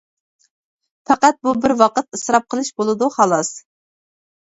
پەقەت بۇ بىر ۋاقىت ئىسراپ قىلىش بولىدۇ خالاس.